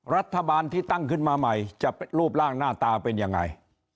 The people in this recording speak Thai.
รัฐบาลที่ตั้งขึ้นมาใหม่จะรูปร่างหน้าตาเป็นยังไง